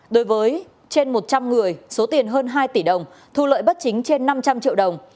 đối với trên một trăm linh người số tiền hơn hai tỷ đồng thu lợi bất chính trên năm trăm linh triệu đồng